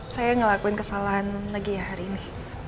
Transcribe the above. saya ngelakuin kesalahan lagi ya hari ini